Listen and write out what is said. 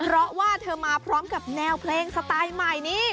เพราะว่าเธอมาพร้อมกับแนวเพลงสไตล์ใหม่นี้